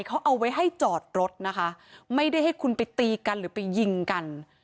เขาเอาไว้ให้จอดรถนะคะไม่ได้ให้คุณไปตีกันหรือไปยิงกัน